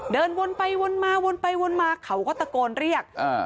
เดินวนไปวนมาวนไปวนมาเขาก็ตะโกนเรียกอ่า